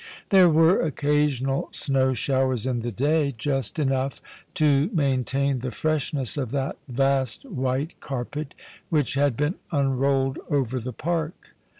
There were occasional snow showers in the day, just enough to maintain the freshness of that vast white carpet which had been unrolled over the park.